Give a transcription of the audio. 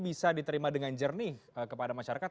bisa diterima dengan jernih kepada masyarakat